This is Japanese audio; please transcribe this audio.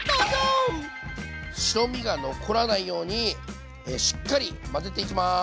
白身が残らないようにしっかり混ぜていきます。